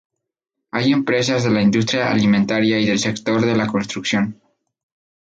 Hay empresas de la industria alimentaria y del sector de la construcción.